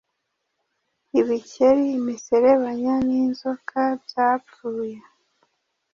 ibikeri, imiserebanya, n’ inzoka byapfuye